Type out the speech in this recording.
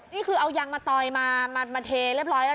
นี่คือเอายางมะตอยมาเทเรียบร้อยแล้ว